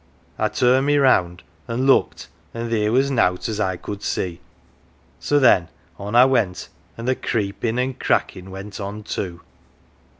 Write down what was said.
I turned me round an' looked, an' theer was nowt as I could see, so then on I went, an' the creepin' an' crackin' went on too.